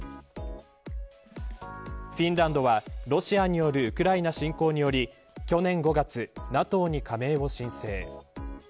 フィンランドはロシアによるウクライナ侵攻により去年５月ＮＡＴＯに加盟を申請。